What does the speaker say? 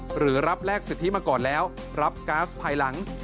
หรือรับแลกสิทธิมาก่อนแล้วรับก๊าซภายหลัง